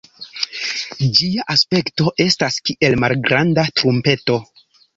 Ĝia aspekto estas kiel malgranda trumpeto.